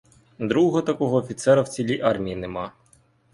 Другого такого офіцера в цілій армії нема.